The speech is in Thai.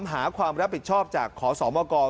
ถามหาความรับผิดชอบจากขศโมกร